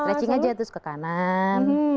stching aja terus ke kanan